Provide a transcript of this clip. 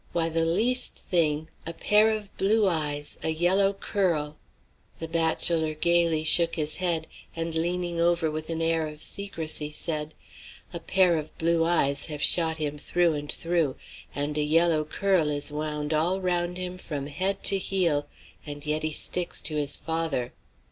Why, the least thing a pair of blue eyes, a yellow curl" The bachelor gayly shook his head, and, leaning over with an air of secrecy, said: "A pair of blue eyes have shot him through and through, and a yellow curl is wound all round him from head to heel, and yet he sticks to his father."